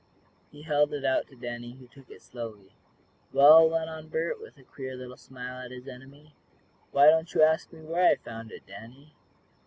He held it out to Danny, who took it slowly. "Well," went on Bert, with a queer little smile at his enemy, "why don't you ask me where I found it, Danny?"